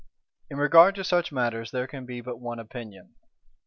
' In regard to such matters there can be but one opinion.